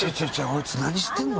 あいつ何してるの？